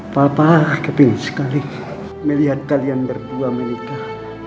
papa keping sekali melihat kalian berdua menikah